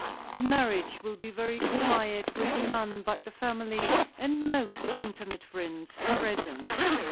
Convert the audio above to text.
The marriage will be very quiet, with none but the family and most intimate friends present.